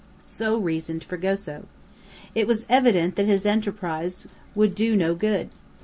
So reasoned Fragoso. It was evident that his enterprise would do no good.